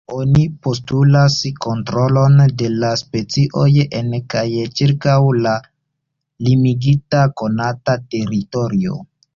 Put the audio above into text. Oni postulas kontrolon de la specioj en kaj ĉirkaŭ la limigita konata teritorio.